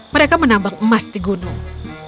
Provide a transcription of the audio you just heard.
mereka menambang emas di gunung